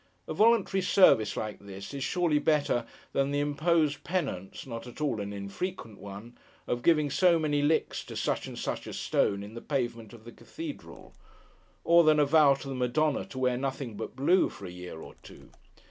A voluntary service like this, is surely better than the imposed penance (not at all an infrequent one) of giving so many licks to such and such a stone in the pavement of the cathedral; or than a vow to the Madonna to wear nothing but blue for a year or two.